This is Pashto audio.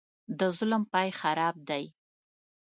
د ظلم پاى خراب دى.